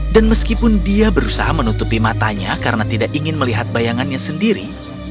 dan meskipun dia berusaha menutupi matanya karena tidak ingin melihat bayangannya sendiri